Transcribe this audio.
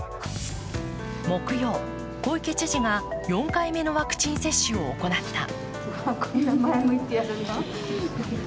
木曜、小池知事が４回目のワクチン接種を行った。